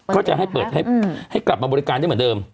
ก็จะให้เปิดให้กลับมาบริการได้เหมือนเดิม